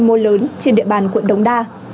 mô lớn trên địa bàn quận đống đa